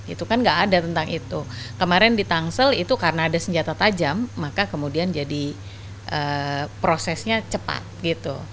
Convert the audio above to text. itu kan nggak ada tentang itu kemarin di tangsel itu karena ada senjata tajam maka kemudian jadi prosesnya cepat gitu